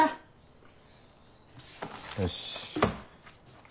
よし。